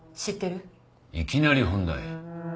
いきなり本題。